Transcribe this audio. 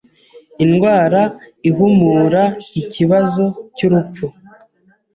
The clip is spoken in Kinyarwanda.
Indwara ihumura Ikibazo cyurupfu